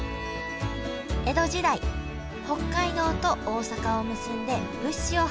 江戸時代北海道と大阪を結んで物資を運んだ北前船